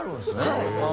はい。